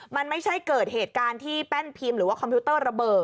มันไม่ใช่เกิดเหตุการณ์ที่แป้นพิมพ์หรือว่าคอมพิวเตอร์ระเบิด